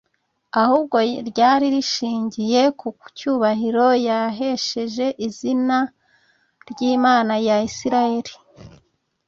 ahubwo ryari rishingiye ku cyubahiro yahesheje izina ry'imana ya isirayeli